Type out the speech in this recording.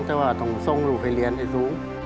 แต่ว่าต้องทรงรูปให้เรียนให้ดู